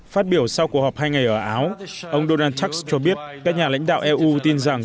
phát biểu sau cuộc họp hai ngày ở áo ông donald trump cho biết các nhà lãnh đạo eu tin rằng